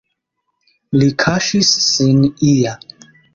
Li kaŝis sin ia.